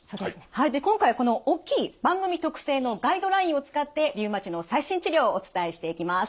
はいで今回はこの大きい番組特製のガイドラインを使ってリウマチの最新治療をお伝えしていきます。